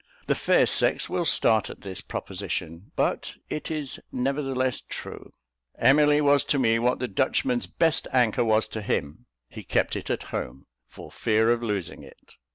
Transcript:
The fair sex will start at this proposition; but it is nevertheless true. Emily was to me what the Dutchman's best anchor was to him he kept it at home, for fear of losing it.